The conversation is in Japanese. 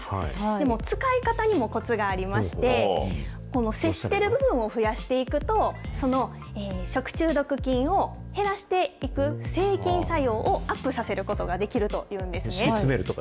でも、使い方にもこつがありまして、この接してる部分を増やしていくと、その食中毒菌を減らしていく、制菌作用をアップさせることができるというんですね。